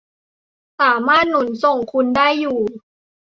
สามารถหนุนส่งคุณได้อยู่